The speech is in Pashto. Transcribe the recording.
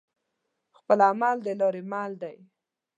خپل عمل دلاری مل دی